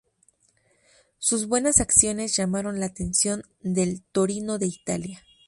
Sus buenas actuaciones llamaron la atención del Torino de Italia.